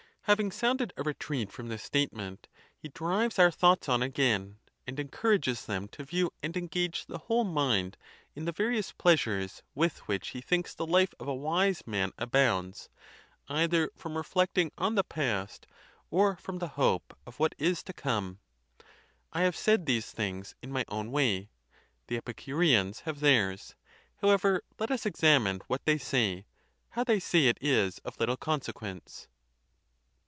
Having sounded a re 5* 106— THE TUSCULAN DISPUTATIONS. treat from this statement, he drives our thoughts on again, and encourages them to view and engage the whole mind in the various pleasures with which he thinks the life of a wise man abounds, either from reflecting on the past, or from the hope of what is to come. I have said these things in my own way; the Epicureans have theirs. How ever, let us examine what they say; how they say it is of little consequence.